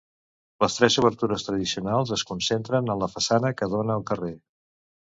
Les tres obertures tradicionals es concentren en la façana que dóna al carrer.